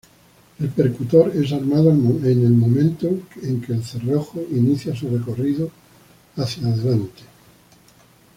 El percutor es armado al momento que el cerrojo inicia su recorrido hacia adelante.